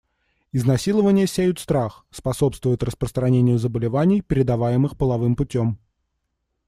Изнасилования сеют страх, способствуют распространению заболеваний, передаваемых половым путем.